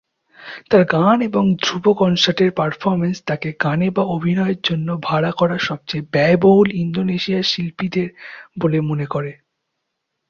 তার গান এবং ধ্রুব কনসার্টের পারফরম্যান্স তাকে গানে বা অভিনয়ের জন্য ভাড়া করা সবচেয়ে ব্যয়বহুল ইন্দোনেশিয়ার শিল্পীদের বলে মনে করে।